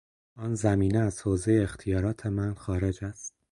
آن زمینه از حوزهی اختیارات من خارج است.